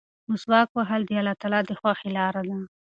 مسواک وهل د الله تعالی د خوښۍ لاره ده.